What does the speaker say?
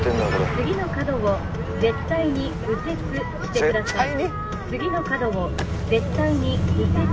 「次の角を絶対に右折してください」。